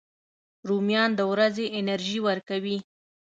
رومیان د ورځې انرژي ورکوي